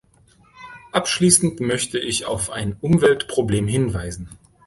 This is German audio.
Abschließend möchte ich auf ein Umweltproblem hinweisen.